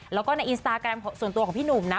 แล้วก็ในอินสตาแกรมส่วนตัวของพี่หนุ่มนะ